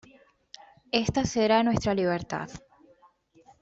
Esta será nuestra libertad.